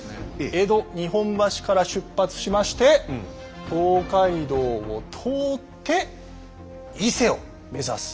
江戸日本橋から出発しまして東海道を通って伊勢を目指す旅なんですけど。